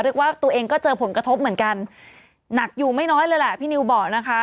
ตัวเองก็เจอผลกระทบเหมือนกันหนักอยู่ไม่น้อยเลยแหละพี่นิวบอกนะคะ